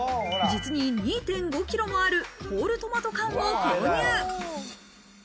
実に２．５キロもあるホールトマト缶を購入。